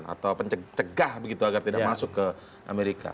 atau pencegah begitu agar tidak masuk ke amerika